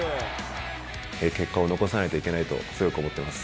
結果を残さないといけないと強く思ってます。